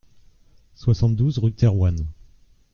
soixante-douze rue de Thérouanne